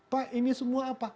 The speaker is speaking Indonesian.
pak ini semua apa